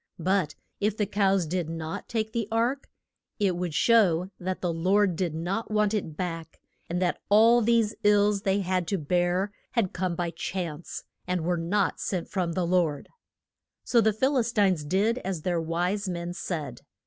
But if the cows did not take the ark, it would show that the Lord did not want it back, and that all these ills they had to bear had come by chance, and were not sent from the Lord. So the Phil is tines did as their wise men said.